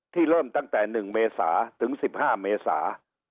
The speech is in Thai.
เริ่มตั้งแต่๑เมษาถึง๑๕เมษา